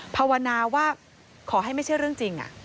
ภาวนาว่าขอให้ไม่ใช่เรื่องจริง